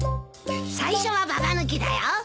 最初はババ抜きだよ。